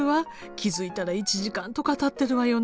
気付いたら１時間とかたってるわよね。